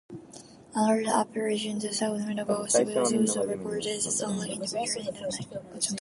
Another apparition, the Southampton ghost, was also reported as assaulting individuals in the night.